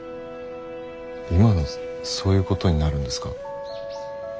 今のそういうことになるんですか？